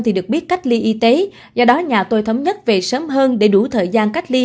thì được biết cách ly y tế do đó nhà tôi thống nhất về sớm hơn để đủ thời gian cách ly